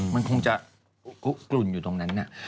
มันคงจะคุกกลุ่นอยู่ตรงนั้น